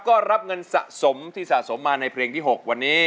ก็รับเงินสะสมที่สะสมมาในเพลงที่๖วันนี้